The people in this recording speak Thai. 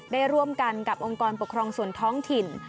ได้ร่วมกันกับองค์กรปกครองส่วนท้องถิ่น